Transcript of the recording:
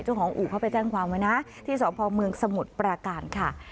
อู่เขาไปแจ้งความไว้นะที่สพเมืองสมุทรปราการค่ะ